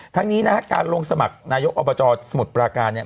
ทั้งนี้นะฮะการลงสมัครนายกอบจสมุทรปราการเนี่ย